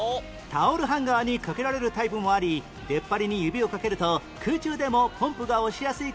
タオルハンガーに掛けられるタイプもあり出っ張りに指を掛けると空中でもポンプが押しやすい工夫がされているんです